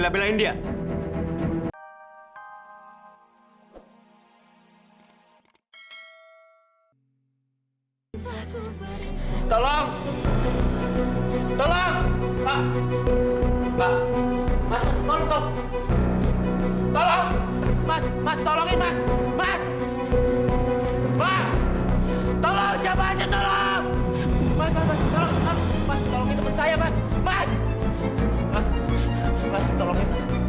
dewi bangun dewi